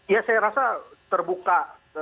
ya saya rasa terbuka